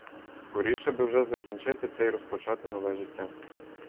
Скоріше би вже закінчити це й розпочати нове життя.